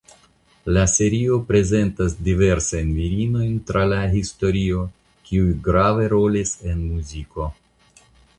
La serio prezentas diversajn virinojn tra la historio kiuj grave rolis en muziko.